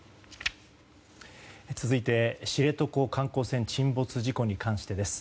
続いて知床観光船沈没事故に関してです。